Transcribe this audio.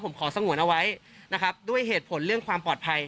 ผมขอสงวนเอาไว้นะครับด้วยเหตุผลเรื่องความปลอดภัย